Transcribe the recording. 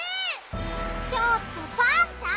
ちょっとパンタ！